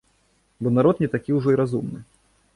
Бо народ не такі ўжо і разумны.